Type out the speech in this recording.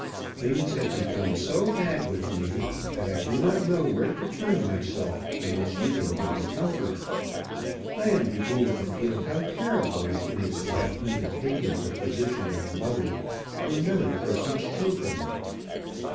Things have become so bad with me that I do not know where to turn myself unless you can give me comfort. I am beginning to feel how terrible it is to have undertaken the position of mother to another person's children.